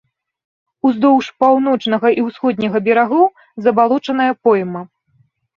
Уздоўж паўночнага і ўсходняга берагоў забалочаная пойма.